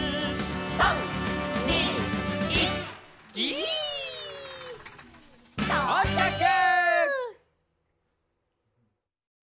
「３・２・１ギィ」とうちゃく！